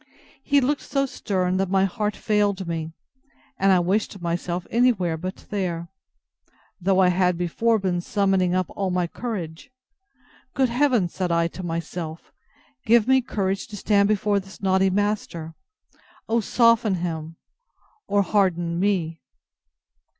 He looked so stern, that my heart failed me, and I wished myself any where but there, though I had before been summoning up all my courage. Good Heaven, said I to myself, give me courage to stand before this naughty master! O soften him, or harden me!